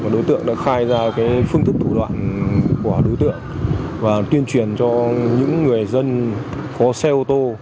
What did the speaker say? đối tượng đã khai ra phương thức thủ đoạn của đối tượng và tuyên truyền cho những người dân có xe ô tô